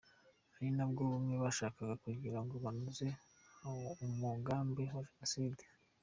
Ari nabwo bumwe bashakaga kugirango banoze umugambi wa Jenoside.